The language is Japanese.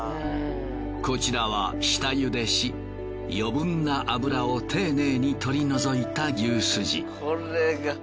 こちらは下茹でし余分な脂を丁寧に取り除いた牛すじ。